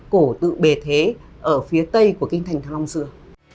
cổ tự bề thế ở phía tây của kinh thành thăng long xưa